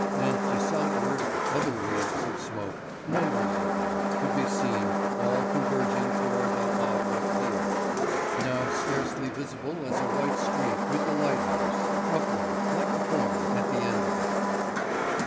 And to southward other wreaths of smoke, numbers of them, could be seen, all converging towards the Havre pier, now scarcely visible as a white streak with the lighthouse, upright, like a horn, at the end of it.